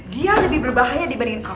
dia lebih berbahaya dibandingin gapit